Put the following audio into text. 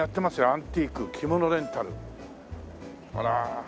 「アンティーク着物レンタル」ほら。